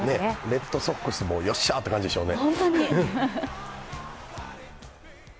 レッドソックスもよっしゃーという感じでしょうね。